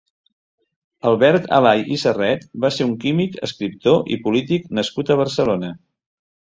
Albert Alay i Serret va ser un químic, escriptor i polític nascut a Barcelona.